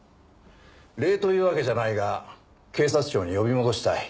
礼というわけじゃないが警察庁に呼び戻したい。